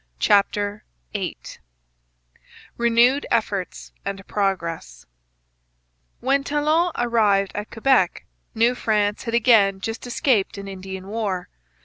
CHAPTER VIII RENEWED EFFORTS AND PROGRESS When Talon arrived at Quebec, New France had again just escaped an Indian war.